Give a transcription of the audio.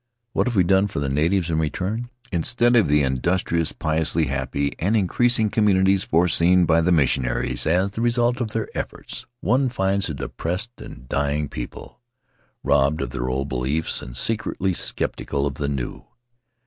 What have we done for the natives in return? Instead of the industrious, piously happy, and increasing communities foreseen by the missionaries as the result of their efforts, one finds a depressed and dying people, robbed of their old beliefs and secretly skeptical of the new.